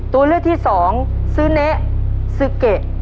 ตัวเลือกที่สองซึเนสุเก